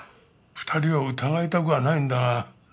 ２人を疑いたくはないんだが。